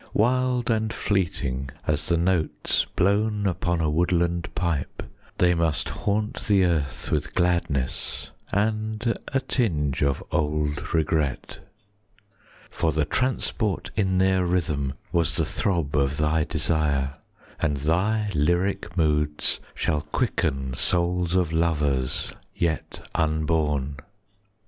Wild and fleeting as the notes Blown upon a woodland pipe, 30 They must haunt the earth with gladness And a tinge of old regret. For the transport in their rhythm Was the throb of thy desire, And thy lyric moods shall quicken 35 Souls of lovers yet unborn.